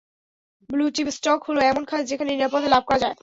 Blue chip stock হলো এমন খাত, যেখানে নিরাপদে লাভ করা যায়।